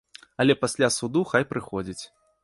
Але пасля суду хай прыходзіць.